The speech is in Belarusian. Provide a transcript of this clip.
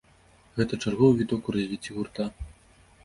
Гэта чарговы віток у развіцці гурта.